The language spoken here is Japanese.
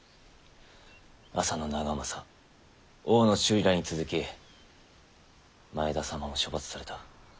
浅野長政大野修理らに続き前田様も処罰された。